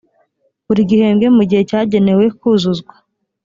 buri gihembwe mu gihe cyagenewe kuzuzwa